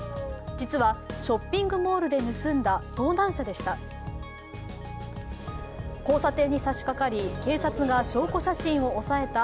実はショッピングモールで盗んだ盗難車でした。